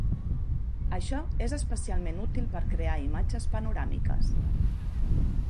Això és especialment útil per crear imatges panoràmiques.